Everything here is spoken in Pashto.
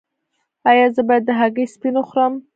ایا زه باید د هګۍ سپین وخورم؟